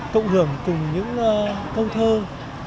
cộng hưởng cùng những câu thơ chân thành nhưng vô cùng giã diết